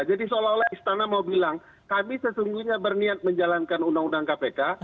jadi seolah olah istana mau bilang kami sesungguhnya berniat menjalankan undang undang kpk